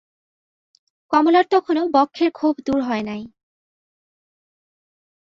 কমলার তখনো বক্ষের ক্ষোভ দূর হয় নাই।